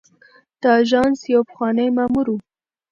د آژانس یو پخوانی مامور و.